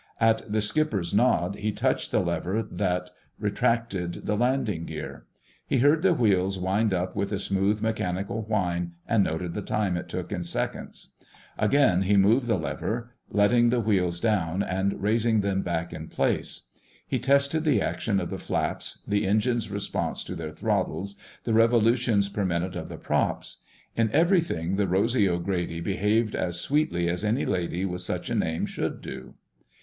At the skipper's nod, he touched the lever that retracted the landing gear. He heard the wheels wind up with a smooth mechanical whine, and noted the time it took in seconds. Again he moved the lever, letting the wheels down and raising them back in place. He tested the action of the flaps, the engines' response to their throttles, the revolutions per minute of the props. In everything the Rosy O'Grady behaved as sweetly as any lady with such a name should do.